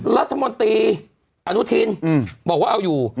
รัฐมนตรีอนุทินบอกว่าเอาอยู่